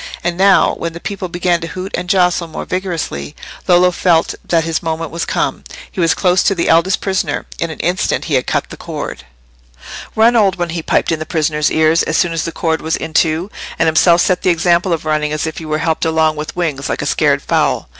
And now, when the people began to hoot and jostle more vigorously, Lollo felt that his moment was come—he was close to the eldest prisoner: in an instant he had cut the cord. "Run, old one!" he piped in the prisoner's ear, as soon as the cord was in two; and himself set the example of running as if he were helped along with wings, like a scared fowl.